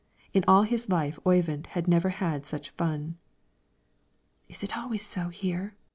In all his life Oyvind had never had such fun. "Is it always so here?"